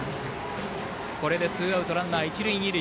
これでツーアウトランナー、一塁二塁。